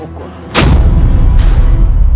jika kalian berkelahi seperti ini